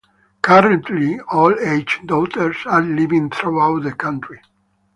Currently all eight daughters are living throughout the country.